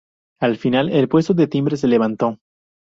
Al final, el impuesto de timbre se levantó.